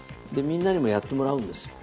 みんなにもやってもらうんです。